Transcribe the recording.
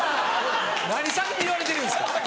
何先に言われてるんですか。